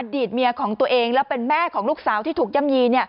ตเมียของตัวเองและเป็นแม่ของลูกสาวที่ถูกย่ำยี